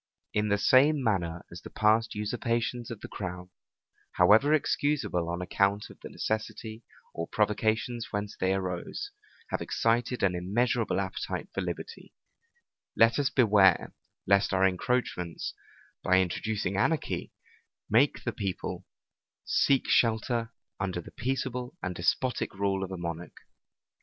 In the same manner as the past usurpations of the crown, however excusable on account of the necessity or provocations whence they arose, have excited an immeasurable appetite for liberty; let us beware, lest our encroachments, by introducing anarchy, make the people seek shelter under the peaceable and despotic rule of a monarch.